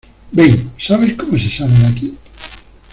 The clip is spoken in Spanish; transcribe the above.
Ven. ¿ sabes cómo se sale de aquí?